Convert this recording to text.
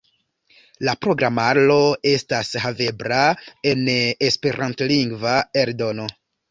La programaro estas havebla en esperantlingva eldono.